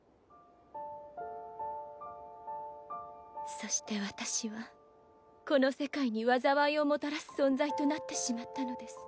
そして私はこの世界に災いをもたらす存在となってしまったのです。